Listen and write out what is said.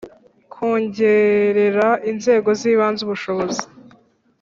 Kongerera inzego z ibanze ubushobozi